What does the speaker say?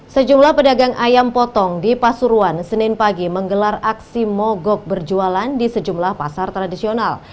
sejumlah pedagang ayam potong di pasuruan senin pagi menggelar aksi mogok berjualan di sejumlah pasar tradisional